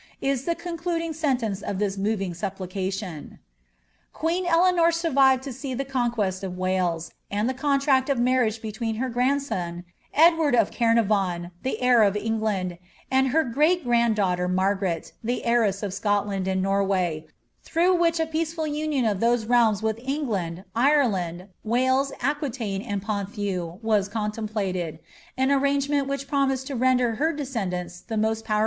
"' is the concluding sentence of this moving supplication. i«n Eleanor survived to see the conquest of Wales, and the con if marriage between her grandson, Edward of Caernarvon, the heir gland, and her great grand daughter, Margaret, the heiress of Scot nd Norway, through which a peaceful union of dioee realms with nd, Ireland, Wales, Aquitaine, and Ponthieu, was contemplated ; Wdgement which promised to render her descendants the most iul sovereigns in Europe.